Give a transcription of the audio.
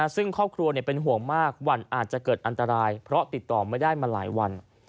ซึ่งครอบครัวเป็นห่วงมากวันอาจจะเกิดอันตรายเพราะติดต่อไม่ได้มาหลายวัน